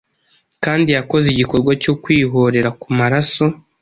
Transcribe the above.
Kandi yakoze igikorwa cyo kwihorera kumaraso